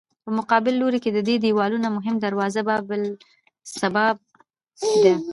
په مقابل لوري کې د دې دیوالونو مهمه دروازه باب الاسباب ده.